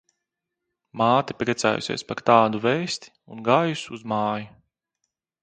Māte priecājusies par tādu vēsti un gājusi uz māju.